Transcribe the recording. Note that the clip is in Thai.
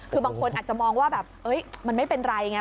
คือบางคนอาจจะมองว่าแบบมันไม่เป็นไรไง